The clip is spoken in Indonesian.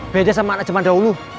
beda sama anak zaman dahulu